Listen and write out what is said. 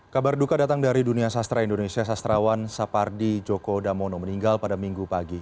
kabar duka datang dari dunia sastra indonesia sastrawan sapardi joko damono meninggal pada minggu pagi